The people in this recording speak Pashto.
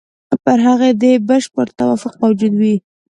پر هغې دې بشپړ توافق موجود وي.